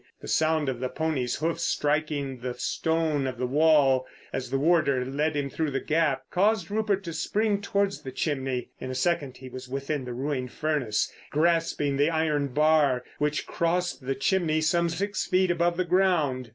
The sound of the pony's hoofs striking the stones of the wall as the warder led him through the gap caused Rupert to spring towards the chimney. In a second he was within the ruined furnace, grasping the iron bar which crossed the chimney some six feet above the ground.